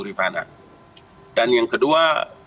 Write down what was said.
rifana dan yang kedua